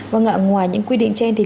vâng ạ ngoài những quy định trên thì